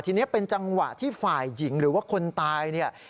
ทีนี้เป็นจังหวะที่ฝ่ายหญิงหรือว่าคนตายเนี่ย